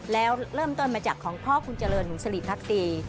แล้วเริ่มต้นมาจากของพ่อคุณเจริญถึงสลิทรักษ์ตี